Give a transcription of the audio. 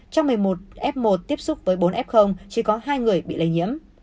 trong một mươi một f một tiếp xúc với bốn f chỉ có hai người bị lây nhiễm